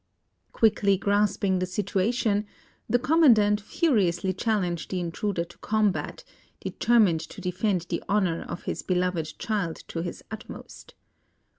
Quickly grasping the situation, the Commandant furiously challenged the intruder to combat, determined to defend the honour of his beloved child to his utmost.